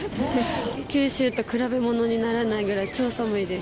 九州と比べものにならないぐらい超寒いです。